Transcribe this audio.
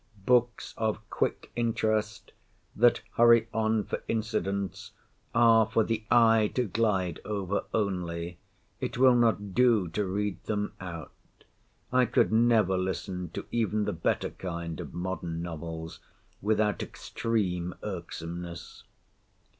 Books of quick interest, that hurry on for incidents, are for the eye to glide over only. It will not do to read them out. I could never listen to even the better kind of modern novels without extreme irksomeness.